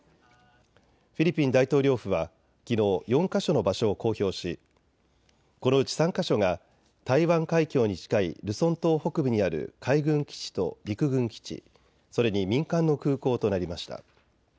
フィリピン大統領府はきのう、４か所の場所を公表しこのうち３か所が台湾海峡に近いルソン島北部にある海軍基地と陸軍基地、それに民間の空港となりました。